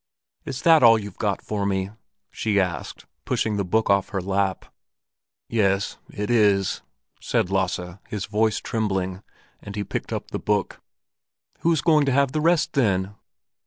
"Is that all you've got for me?" she asked, pushing the book off her lap. "Yes, it is," said Lasse, his voice trembling; and he picked up the book. "Who's going to have the rest, then?"